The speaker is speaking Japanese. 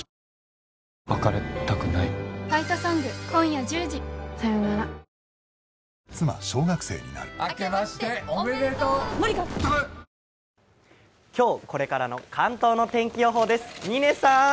今日これからの関東の天気予報です、嶺さん！